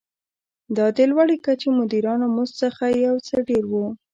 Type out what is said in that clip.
دا د لوړې کچې مدیرانو مزد څخه یو څه ډېر و.